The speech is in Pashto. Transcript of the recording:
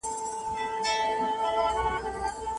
هغه کس زموږ څخه ندی، چي د خاوند په وړاندي ميرمن پاروي.